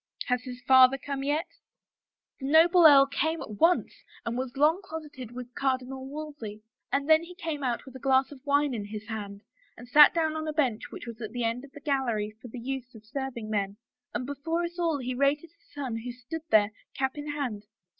" Has his father yet come ?"" The noble earl came at once and was long closeted with Cardinal Wolsey. And then he came out with a glass of wine in his hand and sat down on a bench which was at the end of the gallery for the use of serving men — and before us all he rated his son who stood there, cap in hand.